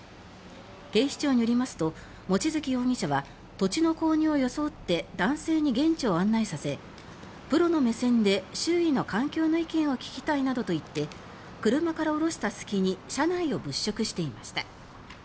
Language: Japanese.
警視庁によりますと望月容疑者は土地の購入を装って男性に現地を案内させプロの目線で周囲の環境の意見を聞きたいなどと言って車から降ろした隙に車内を物色していました。